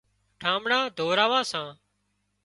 ٺانٻڙان ڌوراوان سان